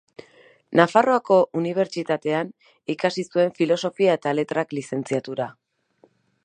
Nafarroako Unibertsitatean ikasi zuen Filosofia eta Letrak lizentziatura.